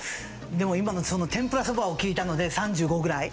でも今の天ぷらそばを聞いたので３５ぐらい。